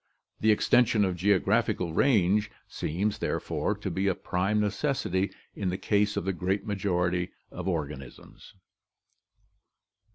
The extension of geographical range seems, there fore, to be a prime necessity in the case of the great majority of organisms.